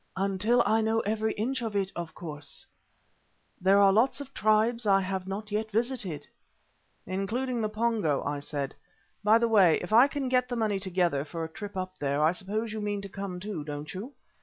"Until I know every inch of it, of course. There are lots of tribes I have not yet visited." "Including the Pongo," I said. "By the way, if I can get the money together for a trip up there, I suppose you mean to come too, don't you?